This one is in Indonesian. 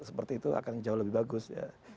seperti itu akan jauh lebih bagus ya